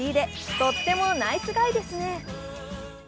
とってもナイスガイですね。